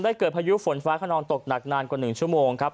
เกิดพายุฝนฟ้าขนองตกหนักนานกว่า๑ชั่วโมงครับ